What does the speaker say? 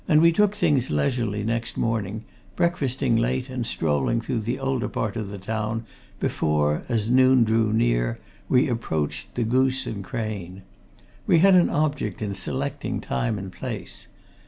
And we took things leisurely next morning, breakfasting late and strolling through the older part of the town before, as noon drew near, we approached the Goose and Crane. We had an object in selecting time and place.